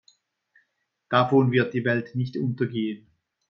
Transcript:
Davon wird die Welt nicht untergehen.